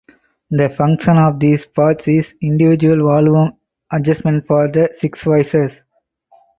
The function of these pots is individual volume adjustment for the six voices.